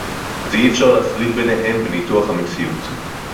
ואי-אפשר להפריד ביניהן בניתוח המציאות